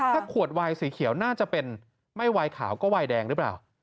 ถ้าขวดวายสีเขียวน่าจะเป็นไม่วายขาวก็วายแดงหรือเปล่า